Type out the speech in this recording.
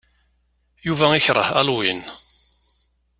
Yuba ikṛeh Halloween.